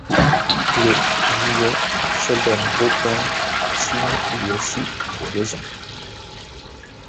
Le juillet, Sheldon Brookbank, signe lui aussi pour deux ans.